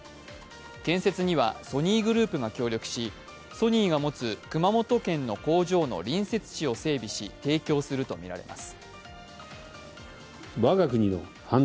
建設にはソニーグループが協力し、ソニーが持つ熊本県の工場の隣接地を整備し、提供するとみられます。